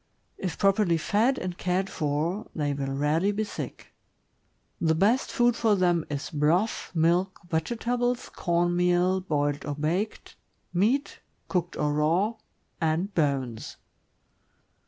If prop erly fed and cared for, they will rarely be sick. The best food for them is broth, milk, vegetables, corn meal, boiled or baked, meat, cooked or raw, and bones.